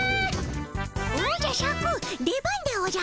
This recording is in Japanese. おじゃシャク出番でおじゃる。